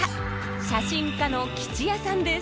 写真家の喜千也さんです。